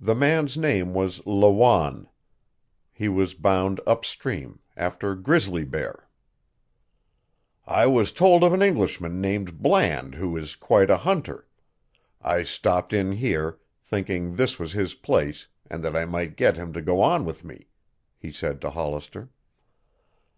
The man's name was Lawanne. He was bound up stream, after grizzly bear. "I was told of an Englishman named Bland who is quite a hunter. I stopped in here, thinking this was his place and that I might get him to go on with me," he said to Hollister.